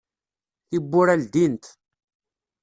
Tiwwura ldint.